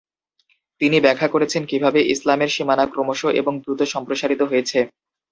তিনি ব্যাখ্যা করেছেন কীভাবে ইসলামের সীমানা ক্রমশঃ এবং দ্রুত সম্প্রসারিত হয়েছে।